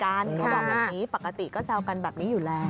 เขาบอกแบบนี้ปกติก็แซวกันแบบนี้อยู่แล้ว